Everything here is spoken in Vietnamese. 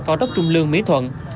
cao tốc trung lương mỹ thuận